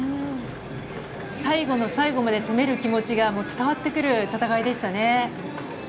最後の最後まで攻める気持ちが伝わってくる戦いでしたね。